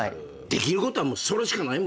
できることはもうそれしかないもんね。